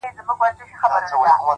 ځوان د خپلي خولگۍ دواړي شونډي قلف کړې،